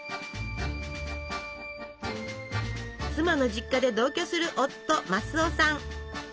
妻の実家で同居する夫マスオさん。